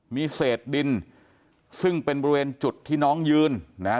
มีเศษดินซึ่งเป็นบริเวณจุดที่น้องยืนนะฮะ